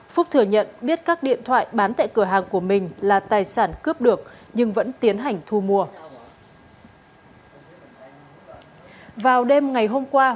phúc thừa nhận biết các điện thoại bán tại cửa hàng của mình là tài sản cướp được nhưng vẫn tiến hành thu mua